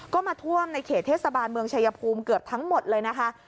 ก็มาท่วมในเขตเทศบาลเมืองชายภูมิเกือบทั้งหมดเลยนะคะ